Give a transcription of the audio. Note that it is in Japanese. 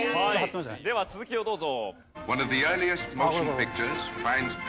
では続きをどうぞ。